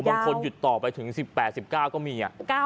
บางคนหยุดต่อไปถึง๑๘๑๙ก็มี